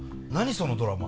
そのドラマ。